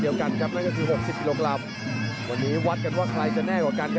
วันนี้วัดว่าใครจะแน่กว่ากันครับ